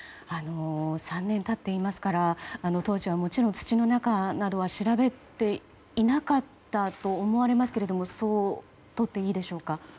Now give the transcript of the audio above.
３年経っていますから当時はもちろん土の中などは調べていなかったと思われますけれどもそう受け取っていいでしょうか。